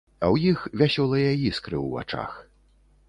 А ў іх вясёлыя іскры ў вачах.